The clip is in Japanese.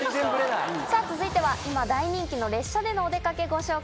さぁ続いては今大人気の列車でのお出かけご紹介します。